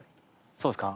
そうですか？